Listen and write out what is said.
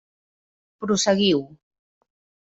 Prosseguiu.